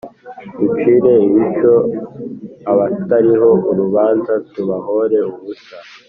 ducire ibico abatariho urubanza tubahore ubusa,